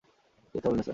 মিথ্যা বলবেন না, স্যার।